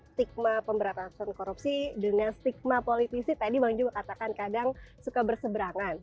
stigma pemberantasan korupsi dengan stigma politisi tadi bang jul katakan kadang suka berseberangan